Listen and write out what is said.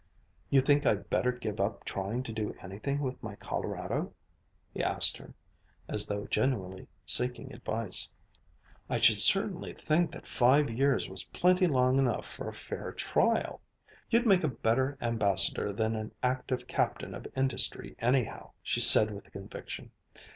"You think I'd better give up trying to do anything with my Colorado ?" he asked her, as though genuinely seeking advice. "I should certainly think that five years was plenty long enough for a fair trial! You'd make a better ambassador than an active captain of industry, anyhow," she said with conviction.